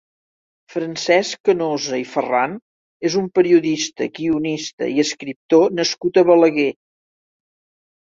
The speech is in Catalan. Francesc Canosa i Farran és un periodista, guionista i escriptor nascut a Balaguer.